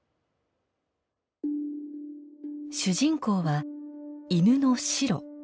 主人公は犬のシロ。